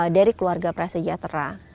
dari keluarga prasejahtera